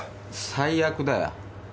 最悪だよ。